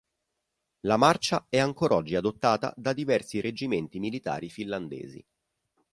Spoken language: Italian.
La marcia è ancor oggi adottata da diversi reggimenti militari finlandesi.